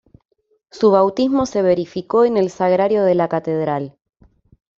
Su bautismo se verificó en el Sagrario de la Catedral.